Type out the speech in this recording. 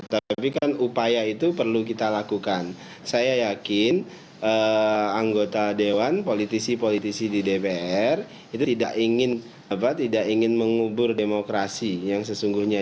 tapi kan upaya itu perlu kita lakukan saya yakin anggota dewan politisi politisi di dpr itu tidak ingin mengubur demokrasi yang sesungguhnya